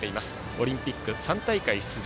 オリンピック３大会出場。